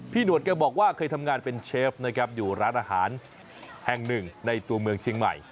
หนวดแกบอกว่าเคยทำงานเป็นเชฟนะครับอยู่ร้านอาหารแห่งหนึ่งในตัวเมืองเชียงใหม่